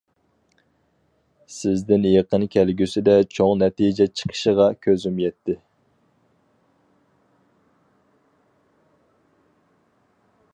سىزدىن يېقىن كەلگۈسىدە چوڭ نەتىجە چىقىشىغا كۆزۈم يەتتى.